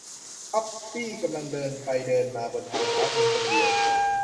ทับปี้กำลังเดินไปเดินมาบนทางเท้าเพียงคนเดียว